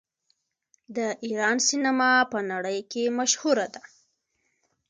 د ایران سینما په نړۍ کې مشهوره ده.